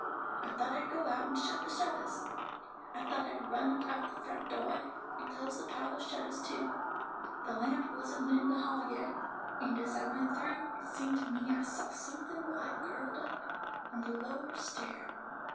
I thought I'd go out and shut the shuttahs; I thought I'd run out the front doah, and close the pahlor shuttahs too. The lamp wasn't lit in the hall yet, and as I went through, it seemed to me I saw somethin' white curled up on the lower stair.